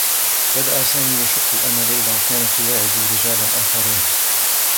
بدأ سامي يشكّ أنّ ليلى كانت تواعد رجالا آخرين.